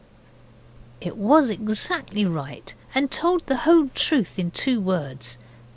It was exactly right, and told the whole truth in two words.